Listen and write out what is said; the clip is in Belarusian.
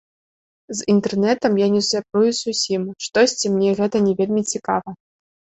З інтэрнэтам я не сябрую зусім, штосьці мне гэта не вельмі цікава.